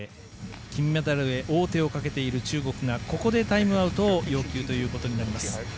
金メダルへ王手をかけている中国がここでタイムアウトを要求となります。